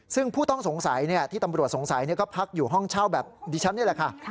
ซึ่งผู้ต้องสงสัยที่ตำรวจสงสัยก็พักอยู่ห้องเช่าแบบดิฉันนี่แหละค่ะ